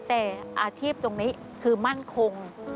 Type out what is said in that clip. แต่อาชีพตรงนี้คือมั่นคง